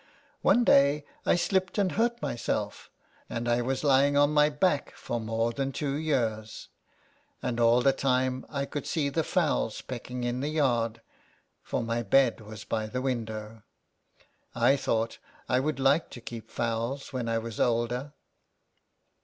" One day I slipped and hurt myself, and I was lying on my back for more than two years, and all the time I could see the fowls pecking in the yard, for my bed was by the window. I thought I would like to keep fowls when I was older.''